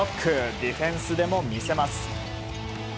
ディフェンスでも見せます。